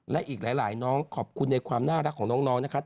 ไม่น่าเป็นความลับไหม